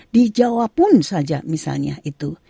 di jawa pun saja misalnya itu